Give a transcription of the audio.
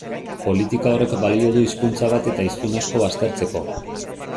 Politika horrek balio du hizkuntza bat eta hiztun asko baztertzeko.